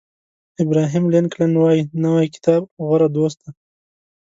ابراهیم لینکلن وایي نوی کتاب غوره دوست دی.